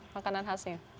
makanan khas ya